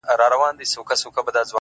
• د هغې خوله ـ شونډي ـ پېزوان او زنـي ـ